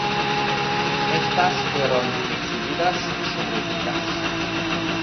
Estas fueron exhibidas sobre picas.